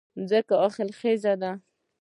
ځمکه حاصلخېزه ده